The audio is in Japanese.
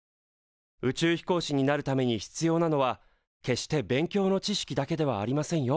宇宙飛行士になるために必要なのは決して勉強の知識だけではありませんよ。